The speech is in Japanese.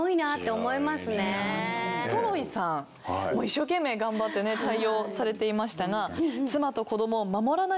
トロイさんも一生懸命頑張って対応されていました。